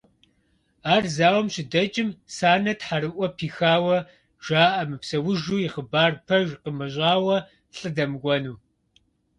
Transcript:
Ар зауэм щыдэкӏым, Санэ тхьэрыӏуэ пихауэ жаӏэ мыпсэужу и хъыбар пэж къимыщӏауэ лӏы дэмыкӏуэну.